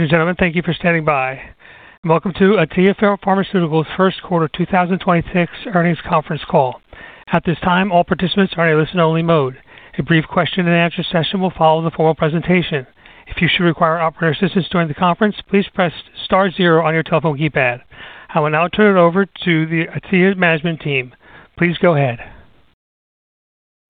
Ladies and gentlemen, thank you for standing by. Welcome to Atea Pharmaceuticals Q1 2026 earnings conference call. At this time, all participants are in a listen only mode. A brief question and answer session will follow the formal presentation. If you should require operator assistance during the conference, please press star zero on your telephone keypad. I will now turn it over to the Atea management team. Please go ahead.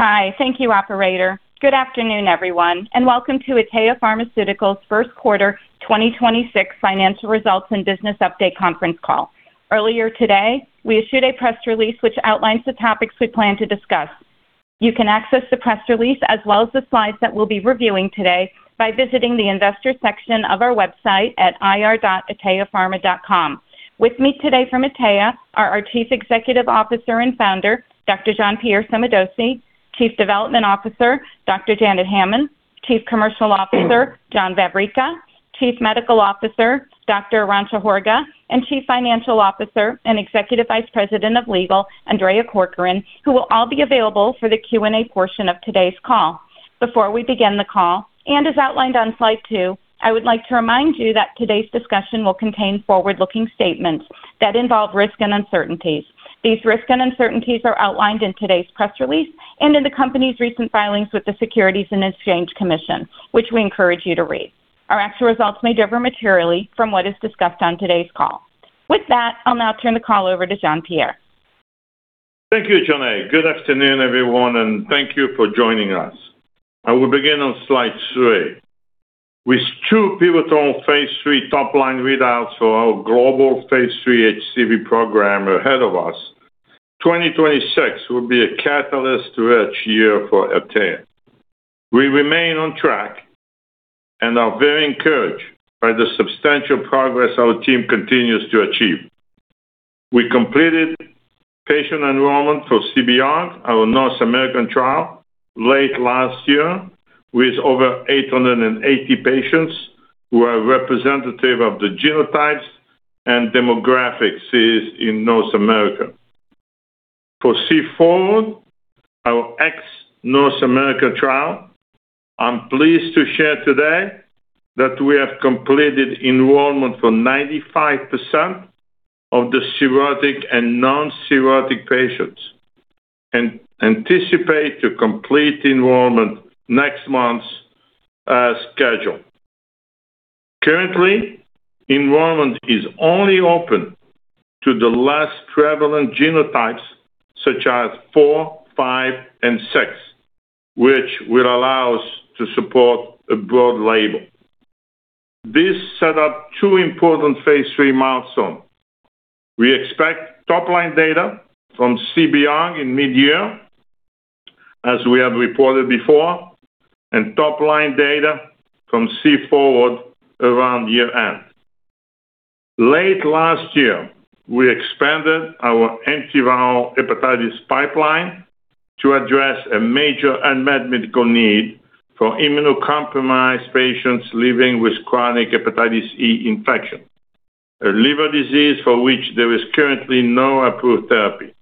Hi. Thank you, operator. Good afternoon, everyone, and welcome to Atea Pharmaceuticals Q1 2026 financial results and business update conference call. Earlier today, we issued a press release which outlines the topics we plan to discuss. You can access the press release as well as the slides that we'll be reviewing today by visiting the investor section of our website at ir.ateapharma.com. With me today from Atea are our Chief Executive Officer and Founder, Dr. Jean-Pierre Sommadossi; Chief Development Officer, Dr. Janet Hammond; Chief Commercial Officer, John Vavricka; Chief Medical Officer, Dr. Arantxa Horga; and Chief Financial Officer and Executive Vice President of Legal, Andrea Corcoran, who will all be available for the Q&A portion of today's call. Before we begin the call, and as outlined on slide 2, I would like to remind you that today's discussion will contain forward-looking statements that involve risks and uncertainties. These risks and uncertainties are outlined in today's press release and in the company's recent filings with the Securities and Exchange Commission, which we encourage you to read. Our actual results may differ materially from what is discussed on today's call. With that, I'll now turn the call over to Jean-Pierre. Thank you, Jonae. Good afternoon, everyone, and thank you for joining us. I will begin on slide 3. With two pivotal phase III top-line readouts for our global phase III HCV program ahead of us, 2026 will be a catalyst rich year for Atea. We remain on track and are very encouraged by the substantial progress our team continues to achieve. We completed patient enrollment for C-BEYOND, our North American trial, late last year with over 880 patients who are representative of the genotypes and demographics is in North America. For C-FORWARD, our ex-North America trial, I'm pleased to share today that we have completed enrollment for 95% of the cirrhotic and non-cirrhotic patients and anticipate to complete enrollment next month as scheduled. Currently, enrollment is only open to the less prevalent genotypes such as 4, 5, and 6, which will allow us to support a broad label. This set up two important phase III milestones. We expect top-line data from C-BEYOND in mid-year, as we have reported before, and top-line data from C-FORWARD around year-end. Late last year, we expanded our antiviral hepatitis pipeline to address a major unmet medical need for immunocompromised patients living with chronic hepatitis E infection, a liver disease for which there is currently no approved therapy.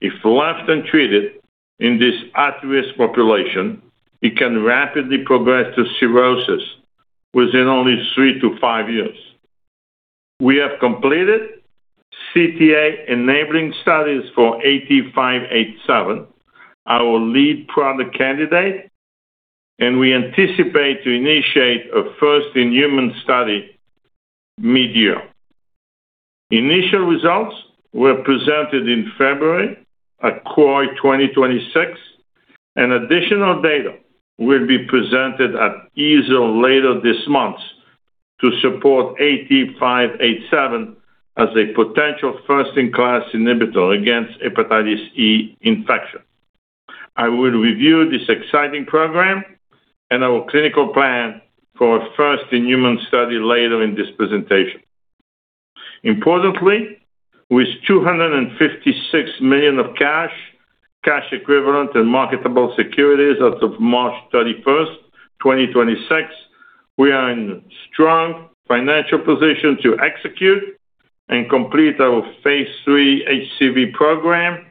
If left untreated in this at-risk population, it can rapidly progress to cirrhosis within only 3 to 5 years. We have completed CTA-enabling studies for AT-587, our lead product candidate, and we anticipate to initiate a first-in-human study mid-year. Initial results were presented in February at CROI 2026, and additional data will be presented at EASL later this month to support AT-587 as a potential first in class inhibitor against hepatitis E infection. I will review this exciting program and our clinical plan for a first in human study later in this presentation. Importantly, with $256 million of cash equivalent and marketable securities as of 31 March 2026, we are in strong financial position to execute and complete our phase III HCV program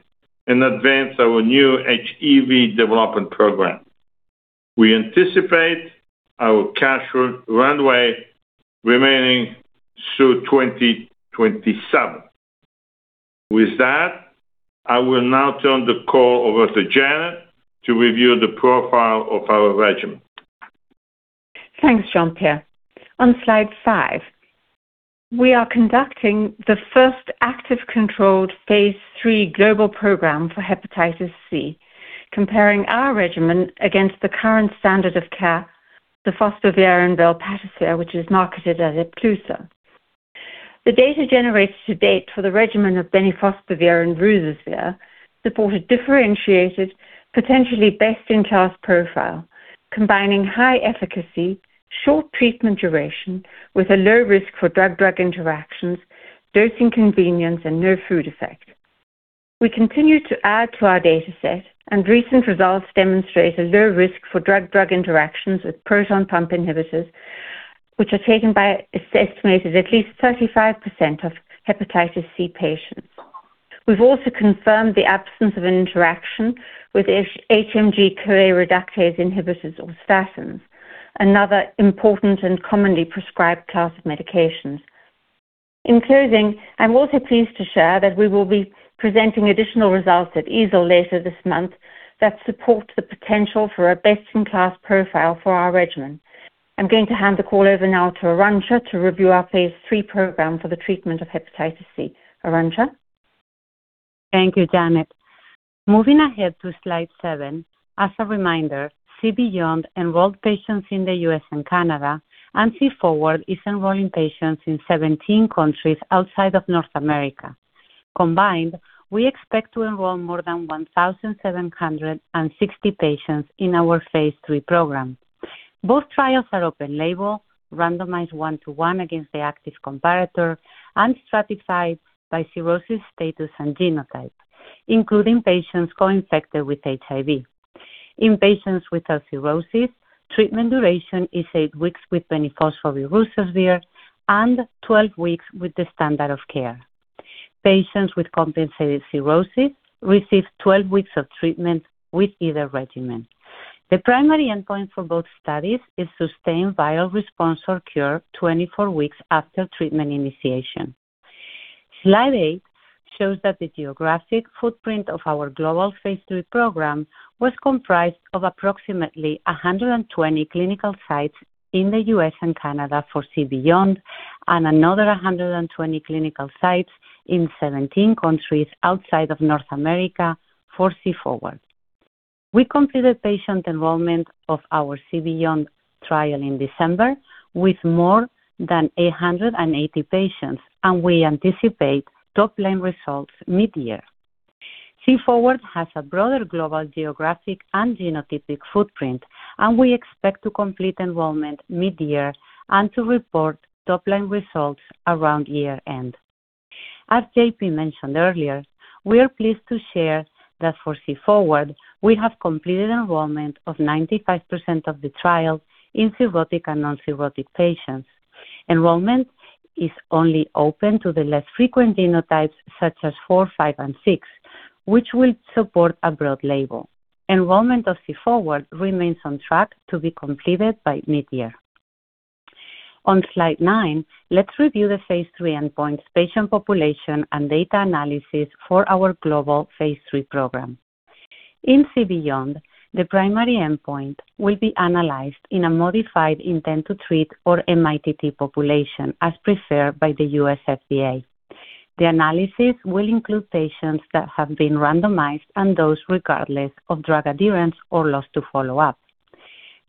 and advance our new HEV development program. We anticipate our cash runway remaining through 2027. With that, I will now turn the call over to Janet to review the profile of our regimen. Thanks, Jean-Pierre. On slide 5, we are conducting the first active controlled phase III global program for hepatitis C, comparing our regimen against the current standard of care, the sofosbuvir and velpatasvir, which is marketed as Epclusa. The data generated to date for the regimen of bemnifosbuvir and ruzasvir support a differentiated potentially best-in-class profile, combining high efficacy, short treatment duration with a low risk for drug-drug interactions, dosing convenience and no food effect. Recent results demonstrate a low risk for drug-drug interactions with proton pump inhibitors, which are taken by estimated at least 35% of hepatitis C patients. We've also confirmed the absence of interaction with HMG-CoA reductase inhibitors or statins, another important and commonly prescribed class of medications. In closing, I'm also pleased to share that we will be presenting additional results at EASL later this month that support the potential for a best-in-class profile for our regimen. I'm going to hand the call over now to Arantxa to review our Phase III program for the treatment of hepatitis C. Arantxa? Thank you, Janet. Moving ahead to Slide 7, as a reminder, C-BEYOND enrolled patients in the U.S. and Canada, C-FORWARD is enrolling patients in 17 countries outside of North America. Combined, we expect to enroll more than 1,760 patients in our Phase III program. Both trials are open label, randomized one-to-one against the active comparator and stratified by cirrhosis status and genotype, including patients co-infected with HIV. In patients without cirrhosis, treatment duration is 8 weeks with bemnifosbuvir and ruzasvir and 12 weeks with the standard of care. Patients with compensated cirrhosis receive 12 weeks of treatment with either regimen. The primary endpoint for both studies is sustained viral response or cure 24 weeks after treatment initiation. Slide 8 shows that the geographic footprint of our global phase II program was comprised of approximately 120 clinical sites in the U.S. and Canada for C-BEYOND and another 120 clinical sites in 17 countries outside of North America for C-FORWARD. We completed patient enrollment of our C-BEYOND trial in December with more than 880 patients, and we anticipate top-line results mid-year. C-FORWARD has a broader global geographic and genotypic footprint, and we expect to complete enrollment mid-year and to report top-line results around year-end. As JP mentioned earlier, we are pleased to share that for C-FORWARD, we have completed enrollment of 95% of the trial in cirrhotic and non-cirrhotic patients. Enrollment is only open to the less frequent genotypes such as 4, 5, and 6, which will support a broad label. Enrollment of C-FORWARD remains on track to be completed by mid-year. On Slide 9, let's review the Phase III endpoints, patient population, and data analysis for our global Phase III program. In C-BEYOND, the primary endpoint will be analyzed in a modified intent-to-treat or MITT population as preferred by the U.S. FDA. The analysis will include patients that have been randomized and those regardless of drug adherence or loss to follow-up.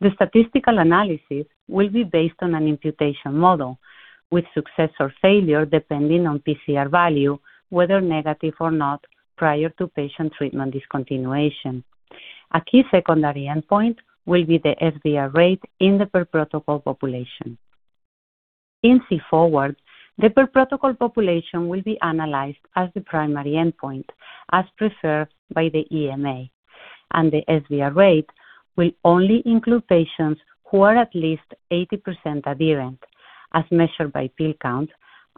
The statistical analysis will be based on an imputation model with success or failure depending on PCR value, whether negative or not prior to patient treatment discontinuation. A key secondary endpoint will be the SVR rate in the per protocol population. In C-FORWARD, the per protocol population will be analyzed as the primary endpoint, as preferred by the EMA, and the SVR rate will only include patients who are at least 80% adherent as measured by pill count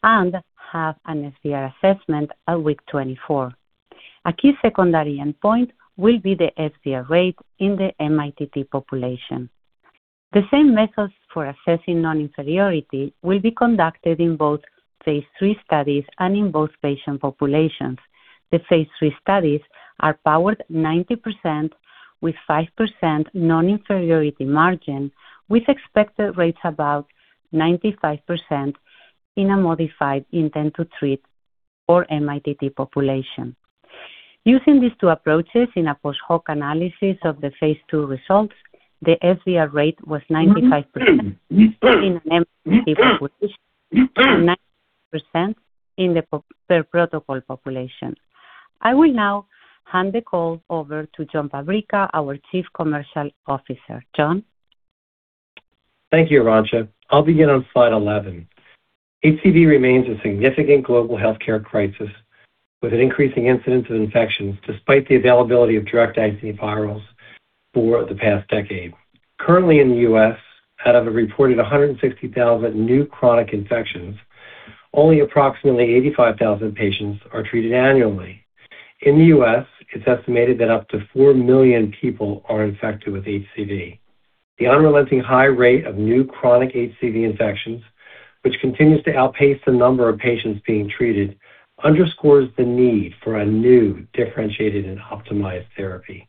and have an SVR assessment at week 24. A key secondary endpoint will be the SVR rate in the MITT population. The same methods for assessing non-inferiority will be conducted in both phase III studies and in both patient populations. The phase III studies are powered 90% with 5% non-inferiority margin, with expected rates about 95% in a modified intent-to-treat or MITT population. Using these two approaches in a post-hoc analysis of the phase II results, the SVR rate was 95% in an MITT population and 90% in the per protocol population. I will now hand the call over to John Vavricka, our chief commercial officer. John? Thank you, Arantxa. I'll begin on Slide 11. HCV remains a significant global healthcare crisis with an increasing incidence of infections despite the availability of direct-acting antivirals for the past decade. Currently in the U.S., out of a reported 160,000 new chronic infections, only approximately 85,000 patients are treated annually. In the U.S., it's estimated that up to 4 million people are infected with HCV. The unrelenting high rate of new chronic HCV infections, which continues to outpace the number of patients being treated, underscores the need for a new differentiated and optimized therapy.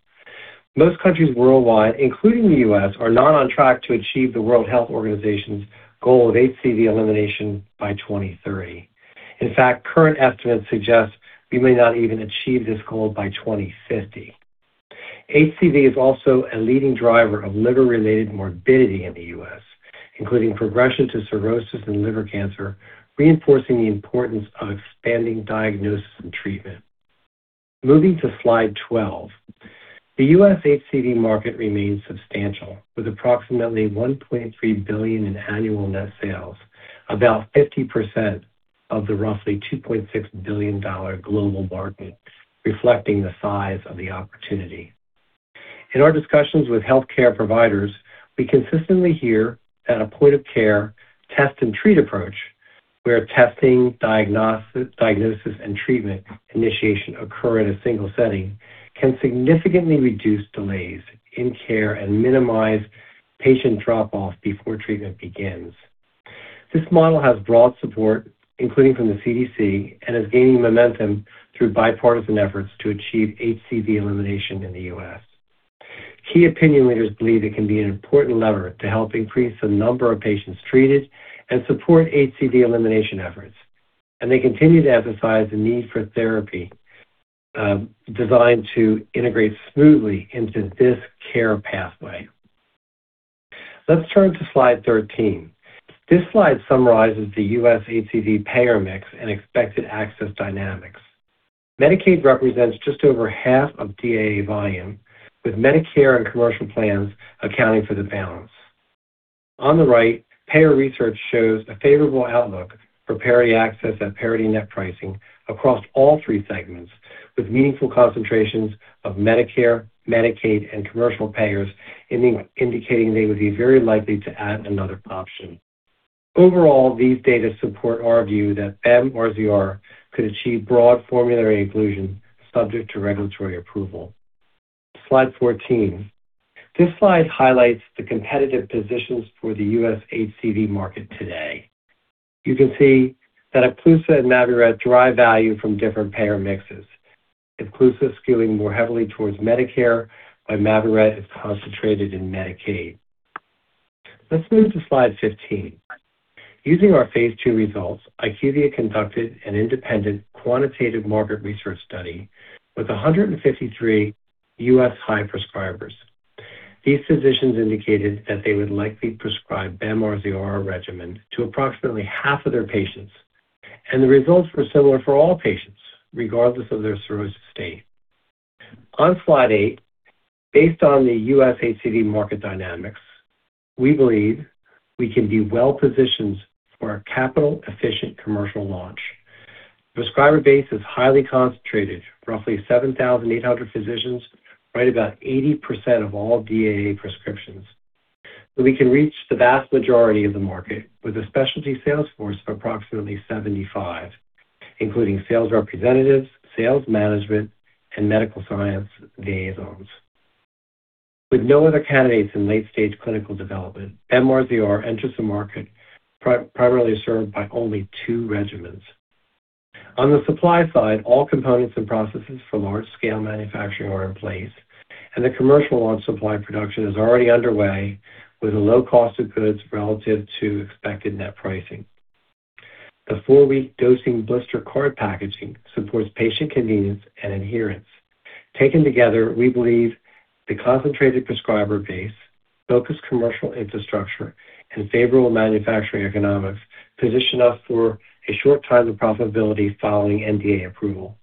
Most countries worldwide, including the U.S., are not on track to achieve the World Health Organization's goal of HCV elimination by 2030. In fact, current estimates suggest we may not even achieve this goal by 2050. HCV is also a leading driver of liver-related morbidity in the U.S., including progression to cirrhosis and liver cancer, reinforcing the importance of expanding diagnosis and treatment. Moving to Slide 12, the U.S. HCV market remains substantial, with approximately $1.3 billion in annual net sales, about 50% of the roughly $2.6 billion global market, reflecting the size of the opportunity. In our discussions with healthcare providers, we consistently hear that a point of care test and treat approach where testing, diagnosis, and treatment initiation occur in a single setting can significantly reduce delays in care and minimize patient drop-off before treatment begins. This model has broad support, including from the CDC, and is gaining momentum through bipartisan efforts to achieve HCV elimination in the U.S. Key opinion leaders believe it can be an important lever to help increase the number of patients treated and support HCV elimination efforts. They continue to emphasize the need for therapy designed to integrate smoothly into this care pathway. Let's turn to slide 13. This slide summarizes the U.S. HCV payer mix and expected access dynamics. Medicaid represents just over half of DAA volume, with Medicare and commercial plans accounting for the balance. On the right, payer research shows a favorable outlook for parity access at parity net pricing across all 3 segments, with meaningful concentrations of Medicare, Medicaid, and commercial payers indicating they would be very likely to add another option. Overall, these data support our view that BAM-RZR could achieve broad formulary inclusion subject to regulatory approval. Slide 14. This slide highlights the competitive positions for the U.S. HCV market today. You can see that Epclusa and Mavyret drive value from different payer mixes, Epclusa skewing more heavily towards Medicare, while Mavyret is concentrated in Medicaid. Let's move to slide 15. Using our phase II results, IQVIA conducted an independent quantitative market research study with 153 U.S. high prescribers. These physicians indicated that they would likely prescribe BAM-RZR regimen to approximately half of their patients, and the results were similar for all patients, regardless of their cirrhosis state. On slide 8, based on the U.S. HCV market dynamics, we believe we can be well-positioned for a capital-efficient commercial launch. Prescriber base is highly concentrated, roughly 7,800 physicians, write about 80% of all DAA prescriptions, so we can reach the vast majority of the market with a specialty sales force of approximately 75, including sales representatives, sales management, and medical science liaisons. With no other candidates in late-stage clinical development, bemnifosbuvir and ruzasvir enters a market primarily served by only 2 regimens. On the supply side, all components and processes for large-scale manufacturing are in place, and the commercial launch supply production is already underway with a low cost of goods relative to expected net pricing. The 4-week dosing blister card packaging supports patient convenience and adherence. Taken together, we believe the concentrated prescriber base, focused commercial infrastructure, and favorable manufacturing economics position us for a short time to profitability following NDA approval.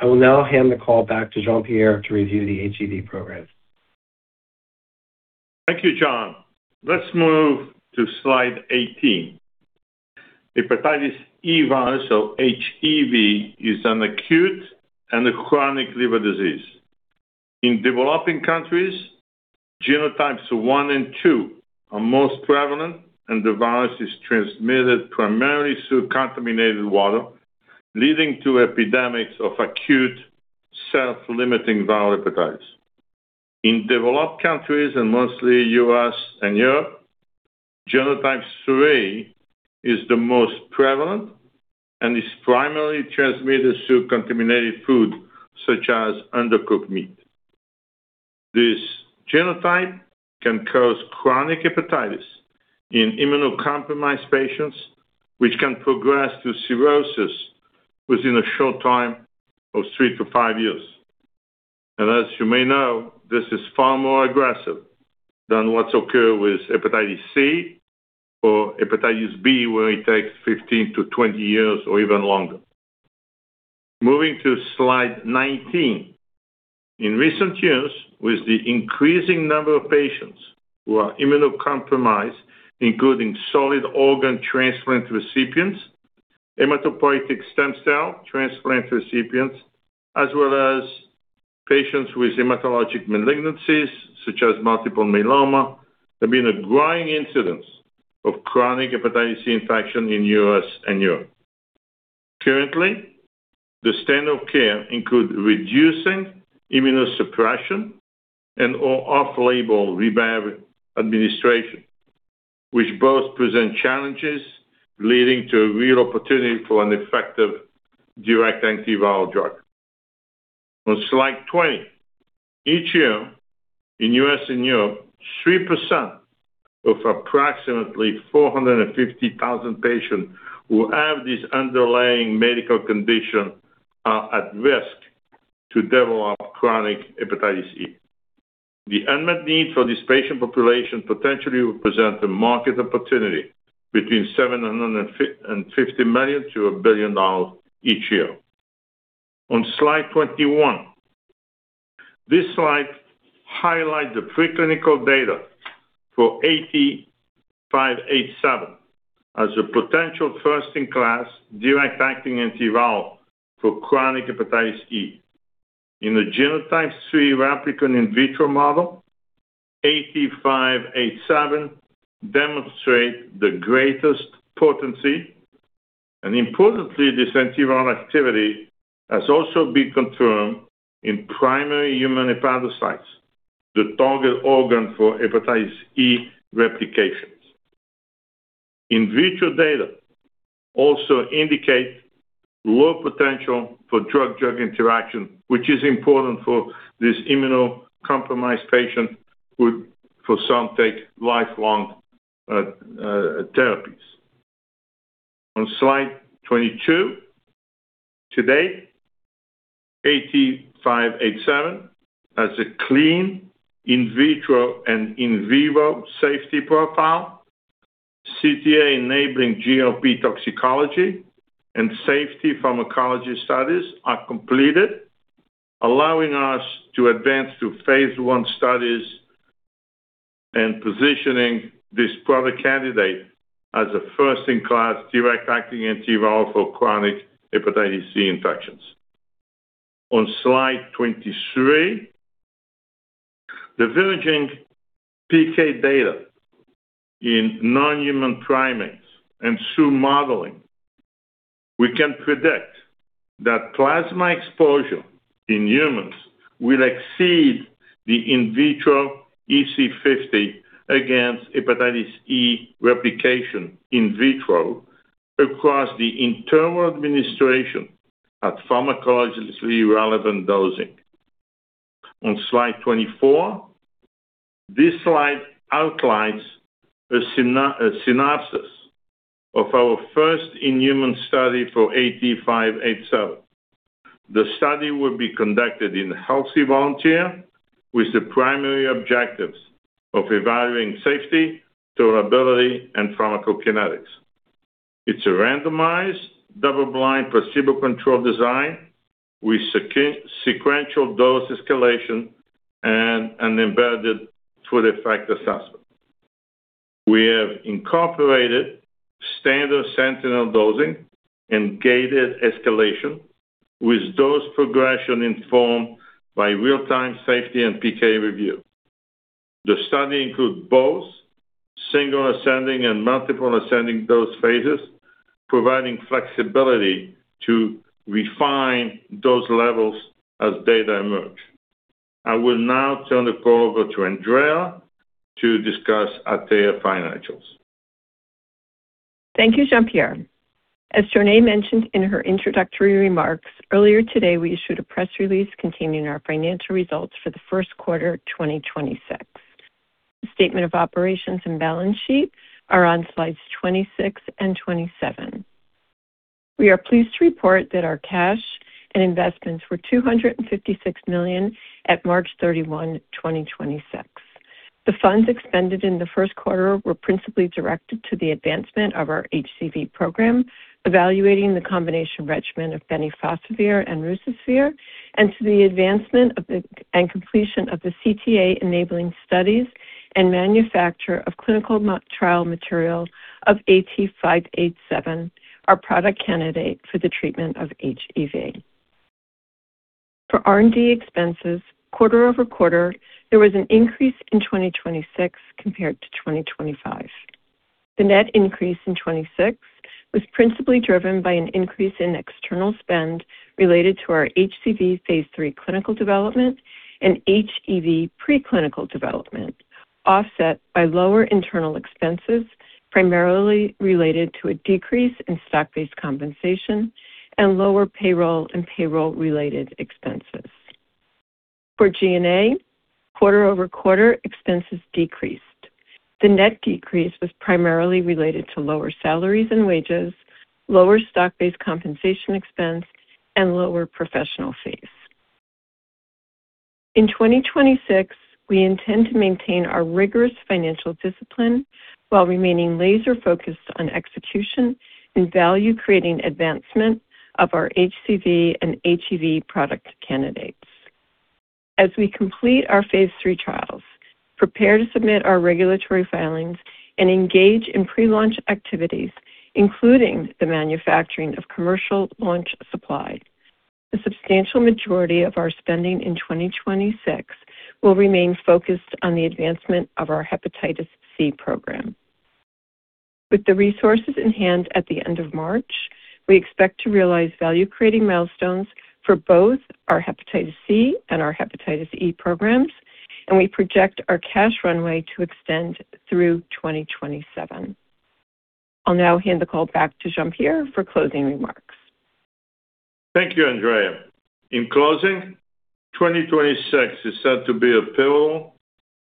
I will now hand the call back to Jean-Pierre Sommadossi to review the HEV programs. Thank you, John. Let's move to slide 18. Hepatitis E virus, or HEV, is an acute and a chronic liver disease. In developing countries, genotypes 1 and 2 are most prevalent, and the virus is transmitted primarily through contaminated water, leading to epidemics of acute self-limiting viral hepatitis. In developed countries, and mostly U.S. and Europe, genotype 3 is the most prevalent and is primarily transmitted through contaminated food such as undercooked meat. This genotype can cause chronic hepatitis in immunocompromised patients, which can progress to cirrhosis within a short time of 3 to 5 years. As you may know, this is far more aggressive than what's occur with hepatitis C or hepatitis B, where it takes 15 to 20 years or even longer. Moving to slide 19. In recent years, with the increasing number of patients who are immunocompromised, including solid organ transplant recipients, hematopoietic stem cell transplant recipients, as well as patients with hematologic malignancies such as multiple myeloma, there's been a growing incidence of chronic hepatitis C infection in the U.S. and Europe. Currently, the standard of care include reducing immunosuppression and/or off-label ribavirin administration, which both present challenges leading to a real opportunity for an effective direct antiviral drug. On slide 20, each year in the U.S. and Europe, 3% of approximately 450,000 patients who have this underlying medical condition are at risk to develop chronic hepatitis E. The unmet need for this patient population potentially represent a market opportunity between $750 million to $1 billion each year. On slide 21. This slide highlights the preclinical data for AT-587 as a potential first-in-class direct-acting antiviral for chronic hepatitis E. In the genotype 3 replicon in vitro model, AT-587 demonstrate the greatest potency, and importantly, this antiviral activity has also been confirmed in primary human hepatocytes, the target organ for hepatitis E replications. In vitro data also indicate low potential for drug-drug interaction, which is important for this immunocompromised patient who for some take lifelong therapies. On slide 22, today, AT-587 has a clean in vitro and in vivo safety profile. CTA-enabling GLP toxicology and safety pharmacology studies are completed, allowing us to advance to phase I studies and positioning this product candidate as a first-in-class direct-acting antiviral for chronic hepatitis C infections. On slide 23, the emerging PK data in non-human primates and through modeling, we can predict that plasma exposure in humans will exceed the in vitro EC50 against hepatitis E replication in vitro across the dosing interval at pharmacologically relevant dosing. On slide 24, this slide outlines a synopsis of our first in-human study for AT-587. The study will be conducted in healthy volunteer with the primary objectives of evaluating safety, tolerability, and pharmacokinetics. It's a randomized double-blind placebo-controlled design with sequential dose escalation and an embedded proof-of-effect assessment. We have incorporated standard sentinel dosing and gated escalation with dose progression informed by real-time safety and PK review. The study includes both single-ascending and multiple-ascending dose phases, providing flexibility to refine those levels as data emerge. I will now turn the call over to Andrea to discuss Atea financials. Thank you, Jean-Pierre. As Jonae mentioned in her introductory remarks, earlier today, we issued a press release containing our financial results for the Q1 2026. The statement of operations and balance sheet are on slides 26 and 27. We are pleased to report that our cash and investments were $256 million at March 31, 2026. The funds expended in the Q1 were principally directed to the advancement of our HCV program, evaluating the combination regimen of bemnifosbuvir and ruzasvir, and to the completion of the CTA-enabling studies and manufacture of clinical trial material of AT-587, our product candidate for the treatment of HEV. For R&D expenses, quarter-over-quarter, there was an increase in 2026 compared to 2025. The net increase in 2026 was principally driven by an increase in external spend related to our HCV phase III clinical development and HEV preclinical development, offset by lower internal expenses, primarily related to a decrease in stock-based compensation and lower payroll and payroll-related expenses. For G&A, quarter-over-quarter expenses decreased. The net decrease was primarily related to lower salaries and wages, lower stock-based compensation expense, and lower professional fees. In 2026, we intend to maintain our rigorous financial discipline while remaining laser-focused on execution and value-creating advancement of our HCV and HEV product candidates. As we complete our phase III trials, prepare to submit our regulatory filings, and engage in pre-launch activities, including the manufacturing of commercial launch supply, the substantial majority of our spending in 2026 will remain focused on the advancement of our hepatitis C program. With the resources in hand at the end of March, we expect to realize value-creating milestones for both our hepatitis C and our hepatitis E programs. We project our cash runway to extend through 2027. I'll now hand the call back to Jean-Pierre for closing remarks. Thank you, Andrea. In closing, 2026 is set to be a pivotal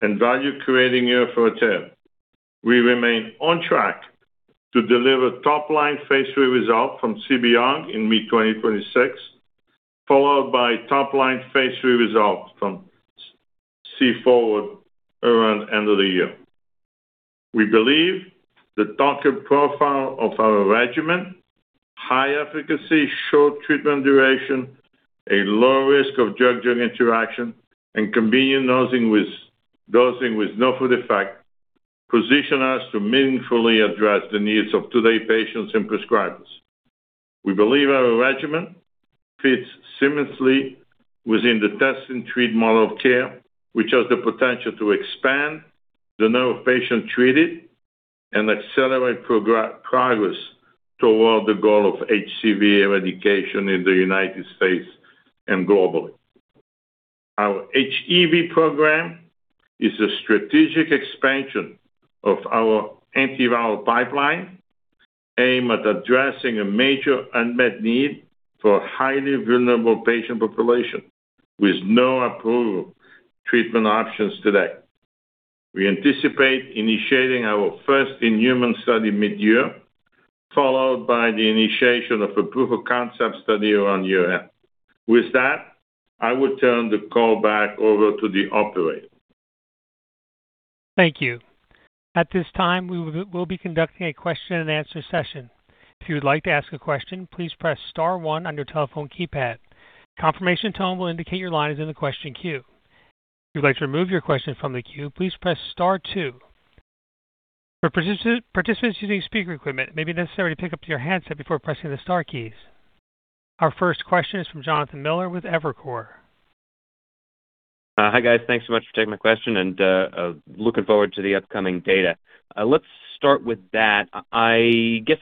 and value-creating year for Atea. We remain on track to deliver top-line phase III result from C-BEYOND in mid-2026, followed by top-line phase III results from C-FORWARD around end of the year. We believe the target profile of our regimen High efficacy, short treatment duration, a low risk of drug-drug interaction, and convenient dosing with no food effect position us to meaningfully address the needs of today's patients and prescribers. We believe our regimen fits seamlessly within the test and treat model of care, which has the potential to expand the number of patients treated and accelerate progress toward the goal of HCV eradication in the U.S. and globally. Our HEV program is a strategic expansion of our antiviral pipeline aimed at addressing a major unmet need for highly vulnerable patient population with no approved treatment options today. We anticipate initiating our first in-human study midyear, followed by the initiation of proof of concept study around year-end. With that, I will turn the call back over to the operator. Our first question is from Jonathan Miller with Evercore ISI. Hi, guys. Thanks so much for taking my question and looking forward to the upcoming data. Let's start with that. I guess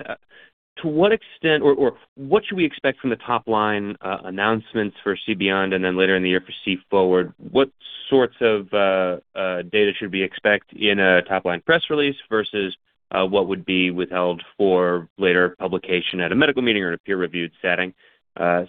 to what extent or what should we expect from the top line announcements for C-BEYOND and then later in the year for C-FORWARD? What sorts of data should we expect in a top-line press release versus what would be withheld for later publication at a medical meeting or in a peer-reviewed setting? A.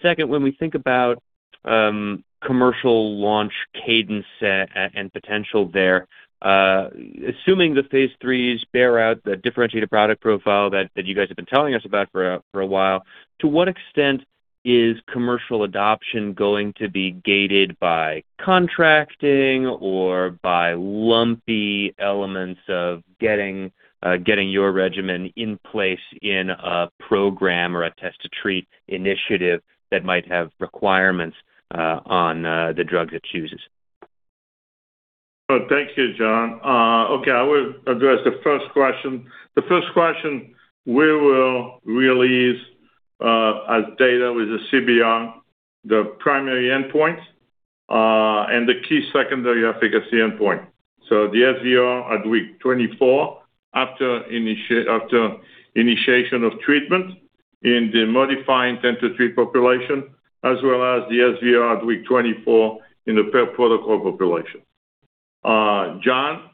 Second, when we think about commercial launch cadence and potential there, assuming the phase III bear out the differentiated product profile that you guys have been telling us about for a while, to what extent is commercial adoption going to be gated by contracting or by lumpy elements of getting your regimen in place in a program or a test to treat initiative that might have requirements on the drugs it chooses? Well, thank you, John. Okay, I will address the first question. The first question, we will release as data with the C-BEYOND, the primary endpoints, and the key secondary efficacy endpoint. The SVR at week 24 after initiation of treatment in the MITT population as well as the SVR at week 24 in the per-protocol population. John,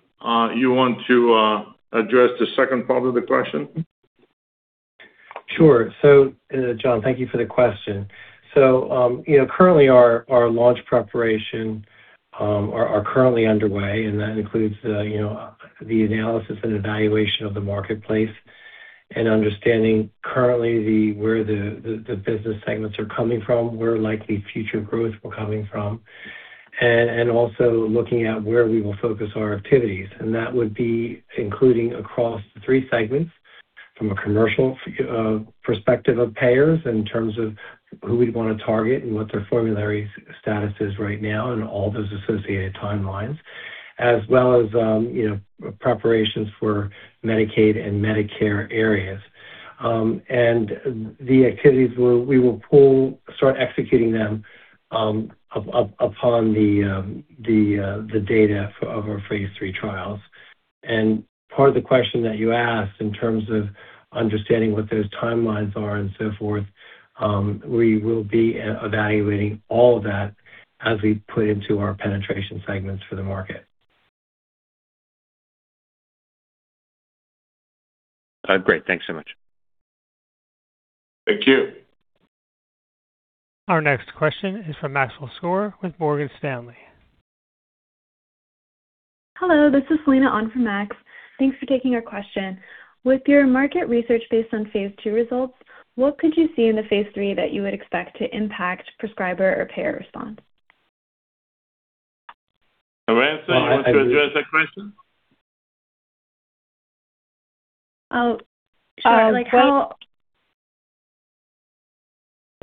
you want to address the second part of the question? Sure. John, thank you for the question. You know, currently our launch preparation are currently underway, and that includes, you know, the analysis and evaluation of the marketplace and understanding currently where the business segments are coming from, where likely future growth will coming from, and also looking at where we will focus our activities. That would be including across 3 segments from a commercial perspective of payers in terms of who we'd wanna target and what their formulary status is right now and all those associated timelines, as well as, you know, preparations for Medicaid and Medicare areas. The activities we will start executing them upon the data of our phase III trials. Part of the question that you asked in terms of understanding what those timelines are and so forth, we will be evaluating all of that as we put into our penetration segments for the market. Great. Thanks so much. Thank you. Our next question is from Maxwell Skor with Morgan Stanley. Hello, this is Selena on for Max. Thanks for taking our question. With your market research based on phase II results, what could you see in the phase III that you would expect to impact prescriber or payer response? Arantxa, you want to address that question? Uh, uh, how- Should I, like?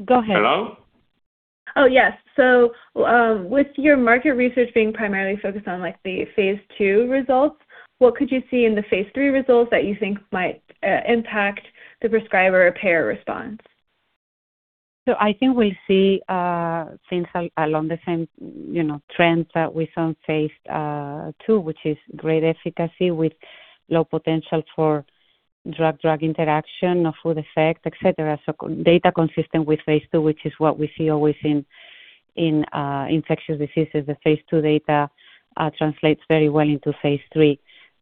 Go ahead. Hello? Yes. With your market research being primarily focused on, like, the phase II results, what could you see in the phase III results that you think might impact the prescriber or payer response? I think we see things along the same, you know, trends that we saw in phase II, which is great efficacy with low potential for drug-drug interaction or food effect, et cetera. Data consistent with phase II, which is what we see always in infectious diseases. The phase II data translates very well into phase III.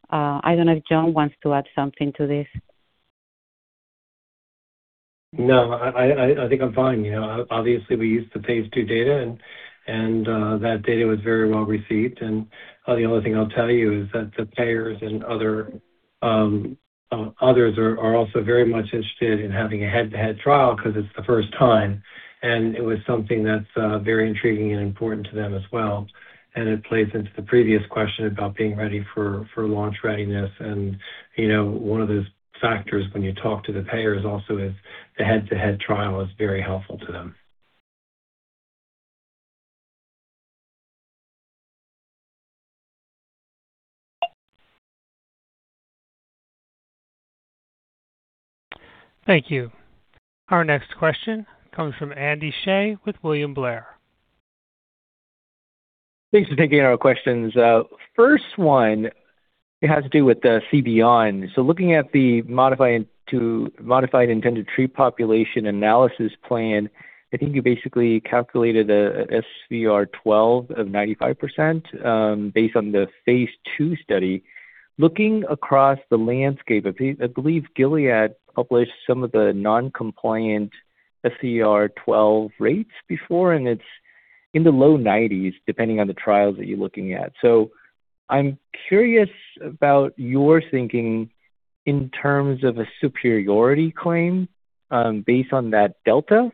I don't know if John wants to add something to this. No, I think I'm fine. You know, obviously we used the phase II data and that data was very well received. The only thing I'll tell you is that the payers and other others are also very much interested in having a head-to-head trial 'cause it's the first time, and it was something that's very intriguing and important to them as well. It plays into the previous question about being ready for launch readiness. You know, one of those factors when you talk to the payers also is the head-to-head trial is very helpful to them. Thank you. Our next question comes from Andy Hsieh with William Blair. Thanks for taking our questions. First one, it has to do with C-BEYOND. Looking at the modified intent-to-treat population analysis plan, I think you basically calculated an SVR12 of 95%, based on the phase II study. Looking across the landscape, I believe Gilead published some of the non-compliant SVR12 rates before, and it's in the low 90s, depending on the trials that you're looking at. I'm curious about your thinking in terms of a superiority claim, based on that delta.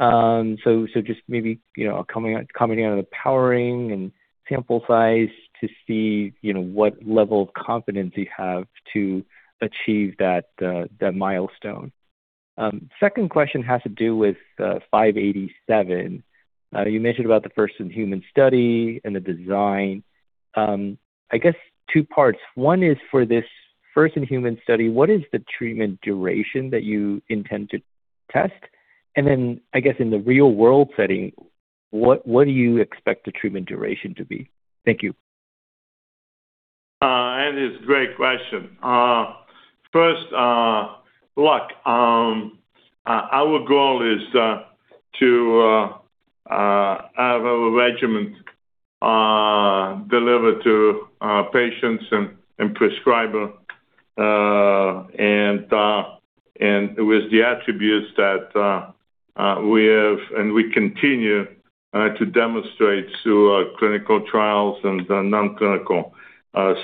Just maybe, you know, commenting on the powering and sample size to see, you know, what level of confidence you have to achieve that milestone. Second question has to do with AT-587. You mentioned about the first-in-human study and the design. I guess two parts. One is for this first in human study, what is the treatment duration that you intend to test? I guess in the real world setting, what do you expect the treatment duration to be? Thank you. That is a great question. First, look, our goal is to have a regimen delivered to patients and prescriber, and with the attributes that we have and we continue to demonstrate through clinical trials and non-clinical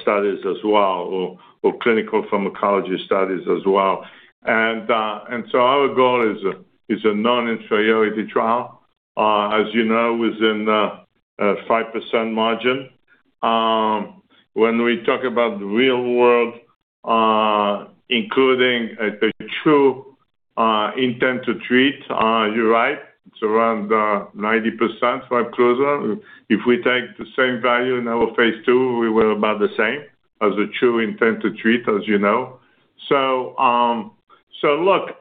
studies as well, or clinical pharmacology studies as well. Our goal is a non-inferiority trial, as you know, within a 5% margin. When we talk about the real world, including the true intent to treat, you're right, it's around 90% or closer. If we take the same value in our phase II, we were about the same as the true intent to treat, as you know. Look,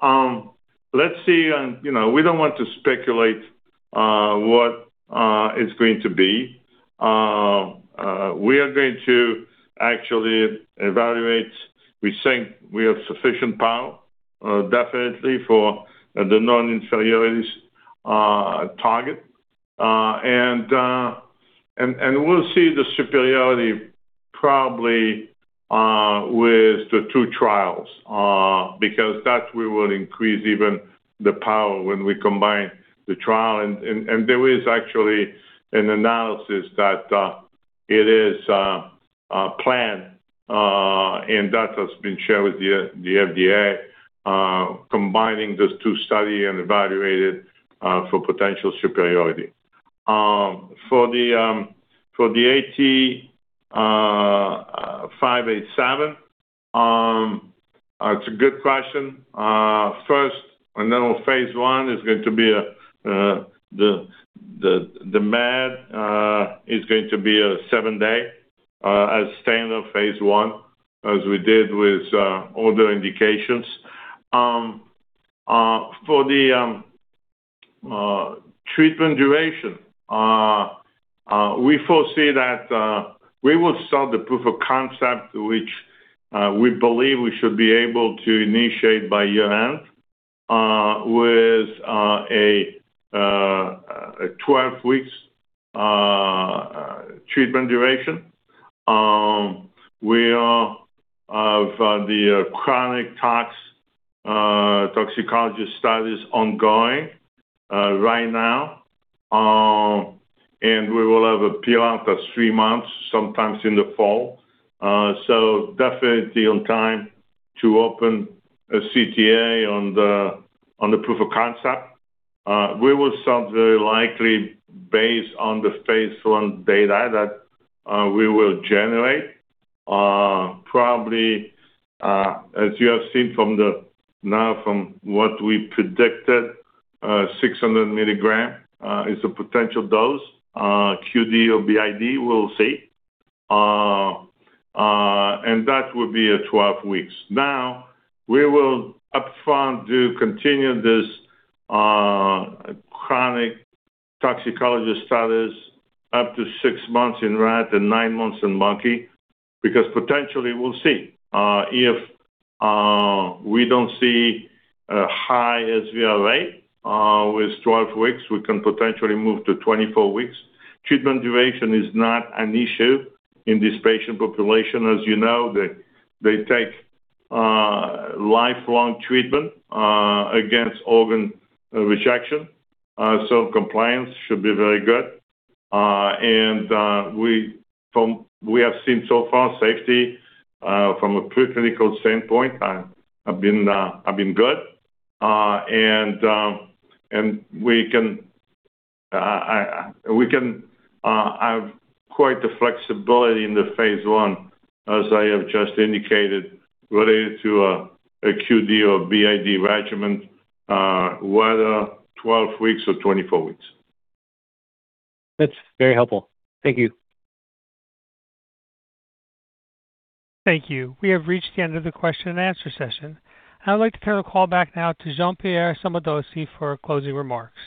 let's see and, you know, we don't want to speculate what it's going to be. We are going to actually evaluate. We think we have sufficient power, definitely for the non-inferiority target. We'll see the superiority probably with the 2 trials, because that we will increase even the power when we combine the trial. There is actually an analysis that it is planned and that has been shared with the FDA, combining those 2 studies and evaluated for potential superiority. For the AT-587, it's a good question. First, on phase I, it's going to be the MAD is going to be a 7-day, as standard phase I as we did with other indications. For the treatment duration, we foresee that we will start the proof of concept, which we believe we should be able to initiate by year-end, with a 12 weeks treatment duration. We are of the chronic toxicology studies ongoing right now. And we will have a readout after 3 months, sometimes in the fall. So definitely on time to open a CTA on the proof of concept. We will start very likely based on the phase I data that we will generate. Probably, as you have seen from what we predicted, 600 milligram is a potential dose, QD or BID, we'll see. That would be a 12 weeks. Now, we will upfront do continue this chronic toxicology studies up to 6 months in rat and 9 months in monkey, because potentially we'll see, if we don't see a high SVR rate with 12 weeks, we can potentially move to 24 weeks. Treatment duration is not an issue in this patient population. As you know, they take lifelong treatment against organ rejection. Compliance should be very good. We have seen so far safety from a pre-clinical standpoint have been good. We can have quite the flexibility in the phase I, as I have just indicated, related to a QD or BID regimen, whether 12 weeks or 24 weeks. That's very helpful. Thank you. Thank you. We have reached the end of the question and answer session. I'd like to turn the call back now to Jean-Pierre Sommadossi for closing remarks.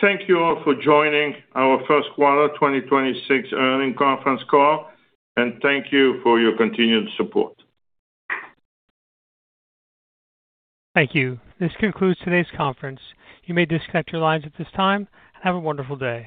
Thank you all for joining our Q1 2026 earning conference call, and thank you for your continued support. Thank you. This concludes today's conference. You may disconnect your lines at this time. Have a wonderful day.